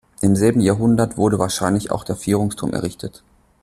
Im selben Jahrhundert wurde wahrscheinlich auch der Vierungsturm errichtet.